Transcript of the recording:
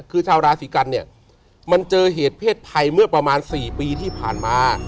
คือชาวราศีกันเนี่ยมันเจอเหตุเพศภัยเมื่อประมาณ๔ปีที่ผ่านมา